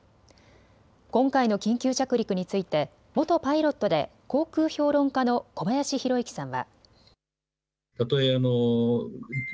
今回の緊急着陸について元パイロットで航空評論家の小林宏之さんは。